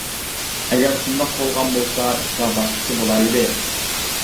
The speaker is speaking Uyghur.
ئەگەر شۇنداق بولغان بولسا ئىشلار باشقىچە بۇلار ئىدى.